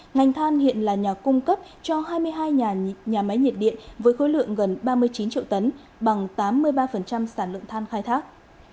ngành than hiện là nhà cung cấp cho hai mươi hai nhà máy nhiệt điện với khối lượng gần ba mươi chín triệu tấn bằng tám mươi ba sản lượng than khai thác